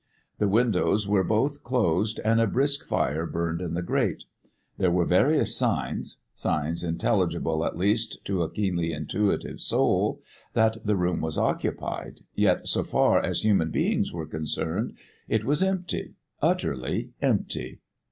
The windows were both closed and a brisk fire burned in the grate. There were various signs signs intelligible at least to a keenly intuitive soul that the room was occupied, yet so far as human beings were concerned, it was empty, utterly empty.